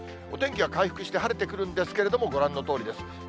お天気は回復して晴れてくるんですけれども、ご覧のとおりです。